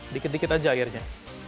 dikit dikit aja airnya